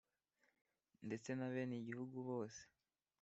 ndetse na bene igihugu bose